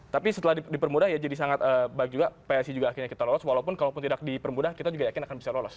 tapi setelah dipermudah ya jadi sangat baik juga psi juga akhirnya kita lolos walaupun kalaupun tidak dipermudah kita juga yakin akan bisa lolos